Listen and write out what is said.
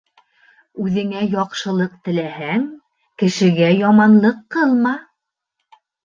Үҙеңә яҡшылыҡ теләһәң, кешегә яманлыҡ ҡылма.